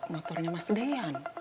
motornya mas dian